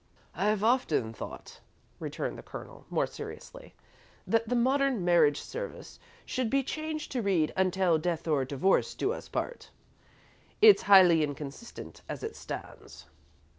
"I've often thought," returned the Colonel, more seriously, "that the modern marriage service should be changed to read 'until death or divorce do us part.' It's highly inconsistent as it stands."